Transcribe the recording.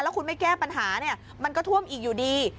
คุณไม่แก้ปัญหาเนี่ยมันก็ท่วมอีกอยู่ดี